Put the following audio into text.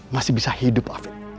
masih bisa hidup afid